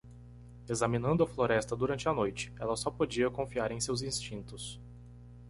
Examinando a floresta durante a noite, ela só podia confiar em seus instintos.